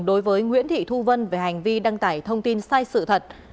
đối với nguyễn thị thu vân về hành vi đăng tải thông tin sai sự thật